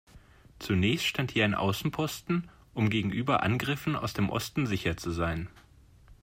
Zunächst stand hier ein Außenposten, um gegenüber Angriffen aus dem Osten sicher zu sein.